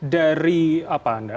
dari apa anda